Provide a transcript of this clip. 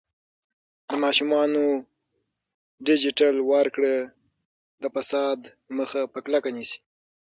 د معاشونو ډیجیټل ورکړه د فساد مخه په کلکه نیسي.